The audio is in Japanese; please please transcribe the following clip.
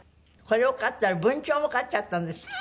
これを飼ったら文鳥も飼っちゃったんですって？